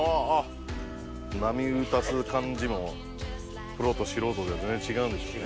波打たす感じもプロと素人では全然違うんでしょうね。